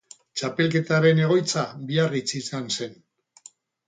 Txapelketaren egoitza Biarritz izan zen.